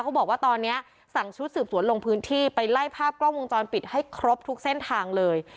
เขาบอกว่าตอนนี้สั่งชุดสืบสวนลงพื้นที่ไปไล่ภาพกล้องวงจรปิดให้ครบทุกเส้นทางเลย